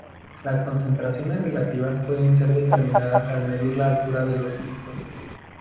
Las concentraciones relativas pueden ser determinadas al medir la altura de los picos.